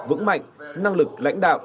vững mạnh năng lực lãnh đạo